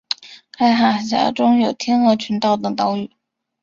该海峡中有天鹅群岛等岛屿。